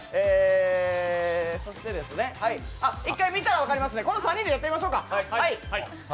１回見たら分かりますね、この３人でやってみましょうか。